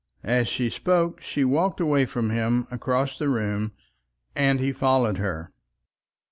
As she spoke she walked away from him across the room, and he followed her.